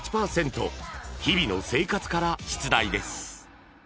［日々の生活から出題です］